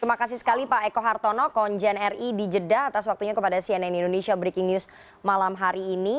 terima kasih sekali pak eko hartono konjen ri di jeddah atas waktunya kepada cnn indonesia breaking news malam hari ini